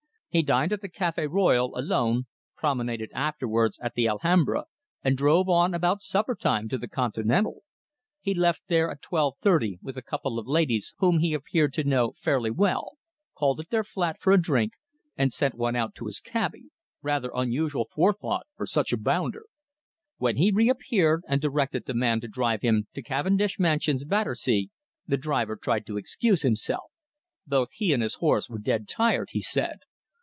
He dined at the Café Royal alone, promenaded afterwards at the Alhambra, and drove on about supper time to the Continental. He left there at 12.30 with a couple of ladies whom he appeared to know fairly well, called at their flat for a drink, and sent one out to his cabby rather unusual forethought for such a bounder. When he reappeared and directed the man to drive him to Cavendish Mansions, Battersea, the driver tried to excuse himself. Both he and his horse were dead tired, he said.